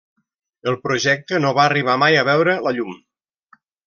El projecte no va arribar mai a veure la llum.